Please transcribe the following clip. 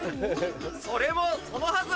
それもそのはず